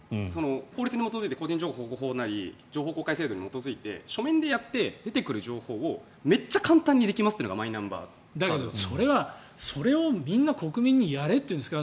法律に基づいて個人情報保護法なり情報公開制度に基づいて書面でやって出てくる情報をめっちゃ簡単にできますっていうのがだけどそれをみんな国民にやれっていうんですか？